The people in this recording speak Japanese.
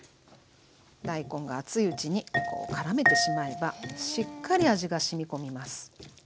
大根が熱いうちにこうからめてしまえばしっかり味がしみ込みます。